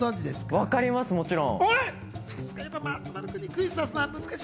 分かります、もちろん。